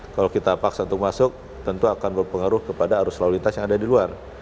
kalau kita paksa untuk masuk tentu akan berpengaruh kepada arus lalu lintas yang ada di luar